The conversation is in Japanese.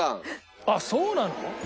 あっそうなの？